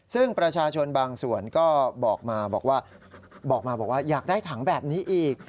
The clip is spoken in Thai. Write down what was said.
ซึ่งประชาชนบางส่วนก็บอกมาบอกว่าบอกมาบอกว่าอยากได้ถังแบบนี้อีก